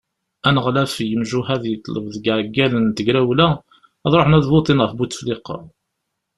Aneɣlaf n yemjuhad yeḍleb deg iɛeggalen n tegrawla ad ṛuḥen ad votin ɣef Butefliqa.